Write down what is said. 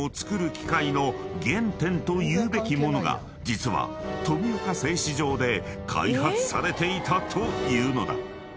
というべきものが実は富岡製糸場で開発されていたというのだ］